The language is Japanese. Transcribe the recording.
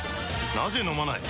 なぜ飲まない？